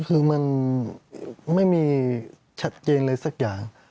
คือมันไม่มีชัดเจนเลยสักอย่าง